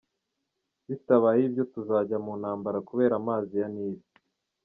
Bitabaye ibyo tuzajya mu ntambara kubera amazi ya Nil.